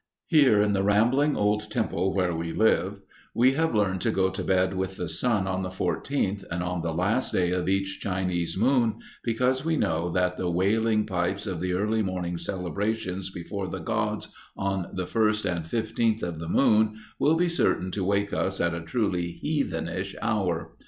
Here, in the rambling old temple where we live, we have learned to go to bed with the sun on the fourteenth and on the last day of each Chinese moon, because we know that the wailing pipes of the early morning celebrations before the gods on the first and fifteenth of the moon will be certain to wake us at a truly heathenish hour.